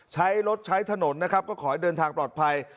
ใช้รถใช้ถนนนะครับก็ขอให้เดินทางปลอดภัย